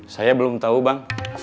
saya belum tahu bang